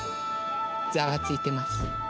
ざわついてます。